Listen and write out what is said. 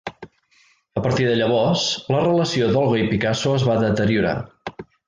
A partir de llavors, la relació d'Olga i Picasso es va deteriorar.